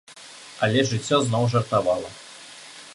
Але жыццё зноў жартавала.